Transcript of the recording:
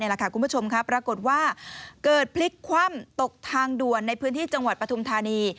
คุณผู้ชมครับปรากฏว่าเกิดพลิกคว่ำตกทางด่วนในพื้นที่จังหวัดปฐุมธานี